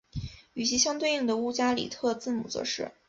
与其相对应的乌加里特字母则是。